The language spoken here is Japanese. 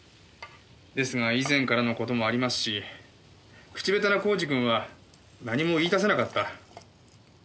ですが以前からの事もありますし口下手な耕治君は何も言い出せなかった。